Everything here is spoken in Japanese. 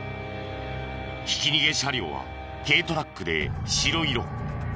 ひき逃げ車両は軽トラックで白色。